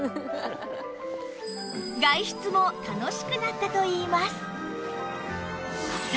外出も楽しくなったといいます